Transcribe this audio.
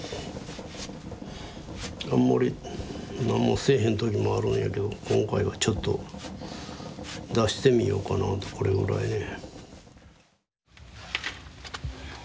あんまりなんもせえへんときもあるんやけど今回はちょっと出してみようかなとこれぐらいね。